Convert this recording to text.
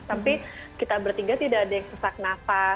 tapi kita bertiga tidak ada yang kesak nafas dan tidak ada yang sampai menganggap